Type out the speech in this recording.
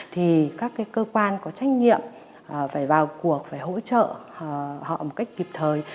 thì các cái cơ quan có trách nhiệm phải vào cuộc phải hỗ trợ họ một cách kịp thời